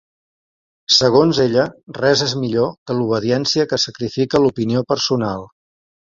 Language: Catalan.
Segons ella, "res és millor que l'obediència que sacrifica l'opinió personal".